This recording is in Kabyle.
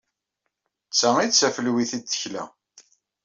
D ta ay d tafelwit ay d-tekla.